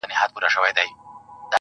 خداى پاماني كومه.